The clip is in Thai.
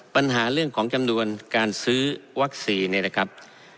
ปัญหาเรื่องของจำนวนการซื้อวัคซีนเนี่ยนะครับ